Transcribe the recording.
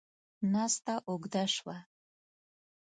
ناسته اوږده شوه.